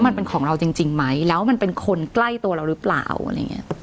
มันเป็นของเราจริงไหมแล้วมันเป็นคนใกล้ตัวเราหรือเปล่าอะไรอย่างเงี้ย